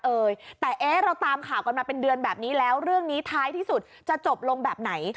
เอ่ยแต่เอ๊ะเราตามข่าวกันมาเป็นเดือนแบบนี้แล้วเรื่องนี้ท้ายที่สุดจะจบลงแบบไหน